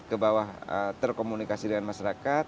ke bawah terkomunikasi dengan masyarakat